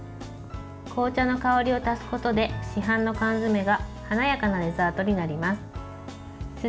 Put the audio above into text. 紅茶の香りを足すことで市販の缶詰が華やかなデザートになります。